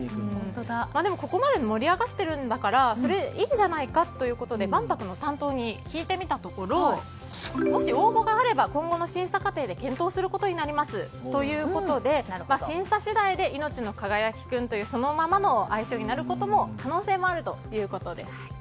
でも、ここまで盛り上がってるんだからそれでいいんじゃないかということで万博の担当者に聞いてみたところもし、応募があれば今後の審査過程で検討することになりますということで審査次第でいのちのかがやきくんというそのままの愛称になる可能性もあるということです。